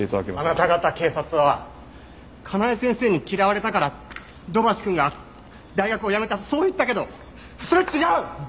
あなた方警察は香奈枝先生に嫌われたから土橋くんが大学をやめたそう言ったけどそれは違う！